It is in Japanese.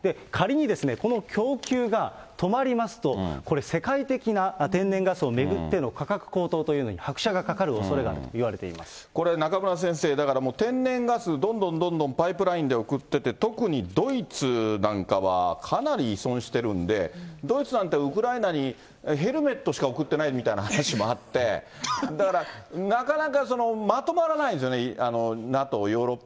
仮に、この供給が止まりますと、これ、世界的な天然ガスを巡っての価格高騰というのに拍車がかかるおそこれ、中村先生、だからもう、天然ガス、どんどんどんどんパイプラインで送ってて、特にドイツなんかはかなり依存しているんで、ドイツなんてウクライナにヘルメットしか送ってないみたいな話もあって、だからなかなかまとまらないんですよね。